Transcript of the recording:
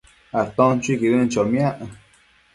aton chuiquidën chomiac